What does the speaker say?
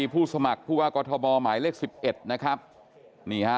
ผู้สมัครผู้ว่ากอทมหมายเลขสิบเอ็ดนะครับนี่ฮะ